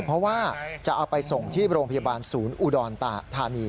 เพราะว่าจะเอาไปส่งที่โรงพยาบาลศูนย์อุดรธานี